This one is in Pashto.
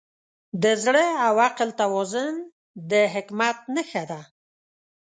د زړه او عقل توازن د حکمت نښه ده.